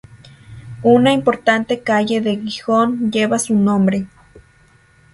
Una importante calle de Gijón lleva su nombre.